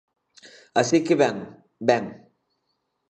Así que, ben, ben.